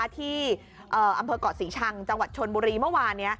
ที่อำเภอกเกาะศรีชังจังหวัดชนบุรีเมื่อวานนี้